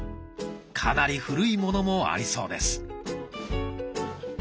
かなり古いものもありそうです。